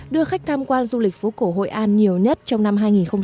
đưa khách tham quan du lịch phố cổ hội an nhiều nhất trong năm hai nghìn một mươi tám